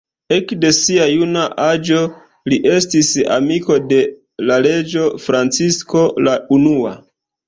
Ekde sia juna aĝo, li estis amiko de la reĝo Francisko la Unua.